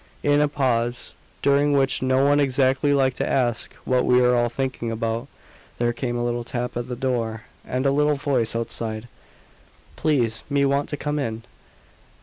In a pause during which no one exactly liked to ask what we were all thinking about there came a little tap at the door, and a little voice outside. "Please, me want to come in."